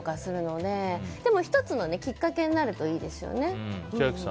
でも、１つのきっかけになるといいですよね。